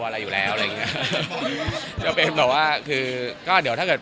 ไม่แม่เขาคือไม่ได้ว่าแบบ